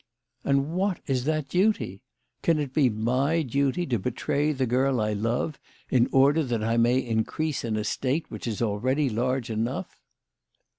" And what is my duty ? Can it be my duty to betray the girl I love in order that I may increase an estate which is already large enough